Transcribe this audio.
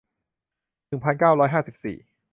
หนึ่งพันเก้าร้อยห้าสิบสี่